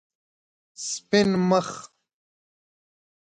سپین مخ